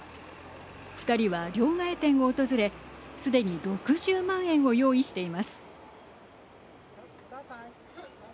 ２人は両替店を訪れすでに６０万円を用意しています。